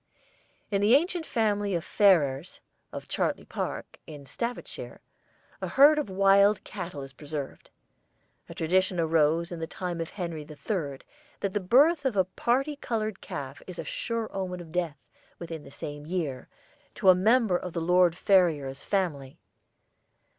"In the ancient family of Ferrers, of Chartley Park, in Staffordshire, a herd of wild cattle is preserved. A tradition arose in the time of Henry III. that the birth of a parti coloured calf is a sure omen of death, within the same year, to a member of the Lord Ferrers family.